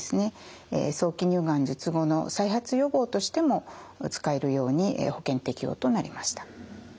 早期乳がん術後の再発予防としても使えるように保険適用となりました。